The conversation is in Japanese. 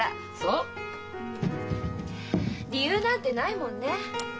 うん理由なんてないもんね。